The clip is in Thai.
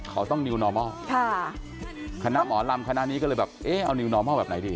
เขาต้องค่ะคณะหมอลำคณะนี้ก็เลยแบบเอ๊ะเอาแบบไหนดี